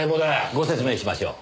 ご説明しましょう。